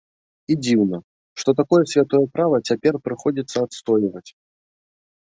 І дзіўна, што такое святое права цяпер прыходзіцца адстойваць.